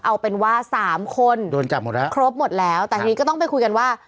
เอาเป็นว่าสามคนโดนจับหมดแล้วครบหมดแล้วแต่ทีนี้ก็ต้องไปคุยกันว่า